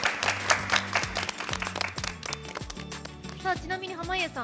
ちなみに濱家さん